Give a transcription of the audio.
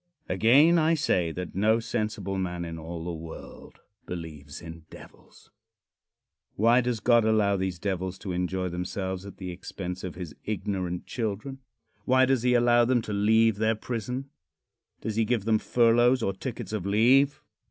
Again, I say that no sensible man in all the world believes in devils. Why does God allow these devils to enjoy themselves at the expense of his ignorant children? Why does he allow them to leave their prison? Does he give them furloughs or tickets of leave?